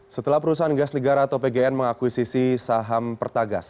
setelah perusahaan gas negara atau pgn mengakuisisi saham pertagas